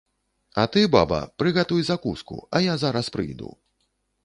А ты, баба, прыгатуй закуску, а я зараз прыйду.